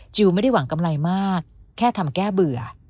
ไม่ได้หวังกำไรมากแค่ทำแก้เบื่อ